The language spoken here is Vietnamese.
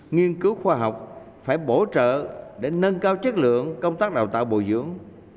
nghiên cứu khoa học phải bổ trợ để nâng cao chất lượng công tác đào tạo bồi dưỡng